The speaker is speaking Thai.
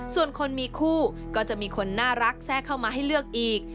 ส่วนคนมีคู่ก็จะมีคนน่ารักแทรกเข้ามาให้เลือกอีก